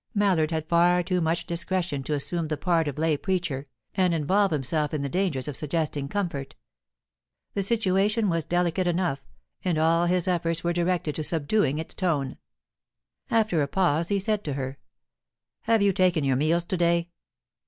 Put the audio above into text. Mallard had far too much discretion to assume the part of lay preacher, and involve himself in the dangers of suggesting comfort. The situation was delicate enough, and all his efforts were directed to subduing its tone. After a pause, he said to her: "Have you taken your meals to day?"